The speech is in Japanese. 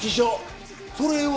それは。